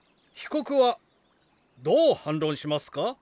被告はどう反論しますか？